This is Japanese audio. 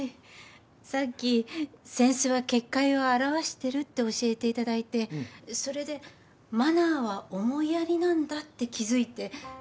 さっき扇子は結界を表してるって教えていただいてそれでマナーは思いやりなんだって気付いて。